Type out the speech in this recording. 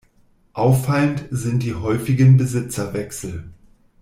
Auffallend sind die häufigen Besitzerwechsel.